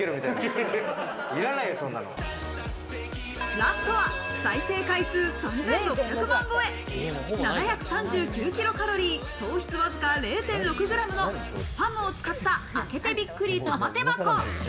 ラストは再生回数３６００万超え、７３９キロカロリー、糖質わずか０．６ｇのスパムを使った、開けてびっくり玉手箱。